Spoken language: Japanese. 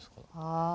あ。